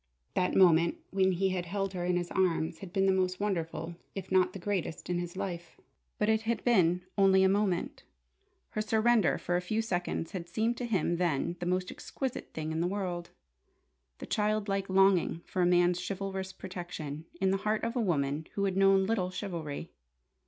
That moment when he had held her in his arms had been the most wonderful if not the greatest in his life. But it had been only a moment. Her surrender for a few seconds had seemed to him then the most exquisite thing in the world: the childlike longing for a man's chivalrous protection, in the heart of a woman who had known little chivalry!